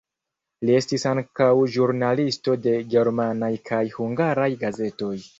Li estis ankaŭ ĵurnalisto de germanaj kaj hungaraj gazetoj.